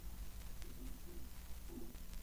Los reyes se sabían algunos de sus poemas de memoria.